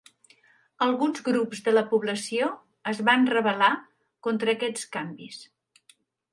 Alguns grups de la població es van rebel·lar contra aquests canvis.